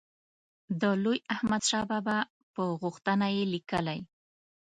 د لوی احمدشاه بابا په غوښتنه یې لیکلی.